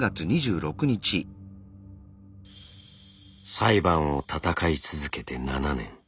裁判を闘い続けて７年。